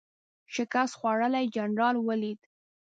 شکست خوړلی جنرال ولید.